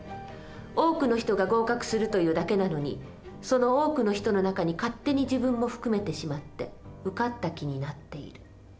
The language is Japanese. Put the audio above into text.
多くの人が合格するというだけなのにその多くの人の中に勝手に自分も含めてしまって受かった気になっている。